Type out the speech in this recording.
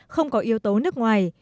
không có yếu tố nước ngoài